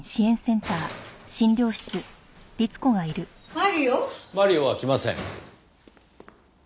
マリオ？マリオは来ません。